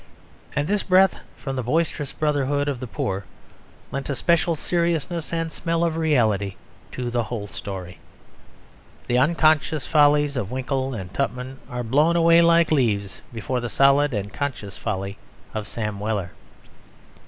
And this breath from the boisterous brotherhood of the poor lent a special seriousness and smell of reality to the whole story. The unconscious follies of Winkle and Tupman are blown away like leaves before the solid and conscious folly of Sam Weller.